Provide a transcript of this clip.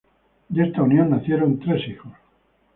De esta unión nacieron tres hijos;